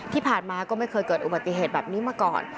ที่ผ่านมาก็ไม่เคยเกิดอุบัติเหตุแบบนี้มาก่อน